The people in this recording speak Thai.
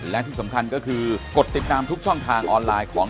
และที่สำคัญก็คือกดติดตามทุกช่องทางออนไลน์ของ